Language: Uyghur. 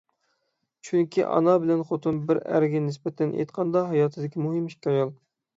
چۈنكى، ئانا بىلەن خوتۇن بىر ئەرگە نىسبەتەن ئېيتقاندا ھاياتىدىكى مۇھىم ئىككى ئايال.